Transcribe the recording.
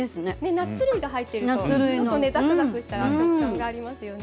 ナッツ類が入ってるとザクザクとした食感がありますね。